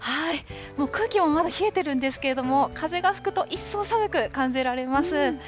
もう空気もまだ冷えてるんですけれども、風が吹くと一層寒く感じられます。